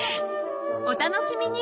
お楽しみに！